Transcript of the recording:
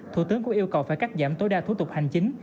thủ tướng cũng yêu cầu phải cắt giảm tối đa thủ tục hành chính